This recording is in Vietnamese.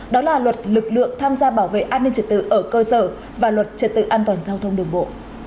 đó là luật lực lượng tham gia bảo vệ an ninh trật tự ở cơ sở và luật trật tự an toàn giao thông đường bộ